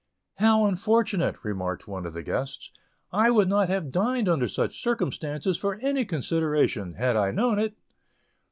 "How very unfortunate," remarked one of the guests; "I would not have dined under such circumstances for any consideration, had I known it!"